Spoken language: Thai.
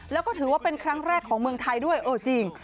แล้วก็ถือว่าเป็นครั้งแรกของเมืองไทยด้วยเออจริง